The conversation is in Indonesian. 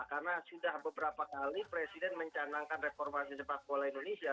karena sudah beberapa kali presiden mencanangkan reformasi sepak bola indonesia